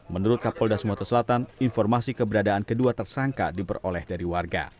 menurut kapolda sumatera selatan informasi keberadaan kedua tersangka diperoleh dari warga